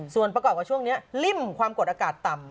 ส่วนประกอบกับช่วงนี้ริ่มความกดอากาศต่ำ